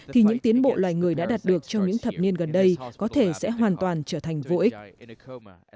thì những tiến bộ loài người đã đạt được trong những thập niên gần đây có thể sẽ hoàn toàn trở thành vô ích